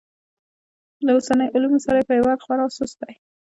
له اوسنیو علومو سره یې پیوند خورا سست دی.